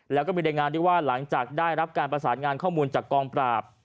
แล้วก็มีรายงานด้วยว่าหลังจากได้รับการประสานงานข้อมูลจากกองปราบ